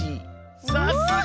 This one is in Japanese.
さすが！